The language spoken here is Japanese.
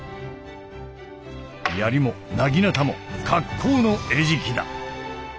槍も薙刀も格好の餌食だ。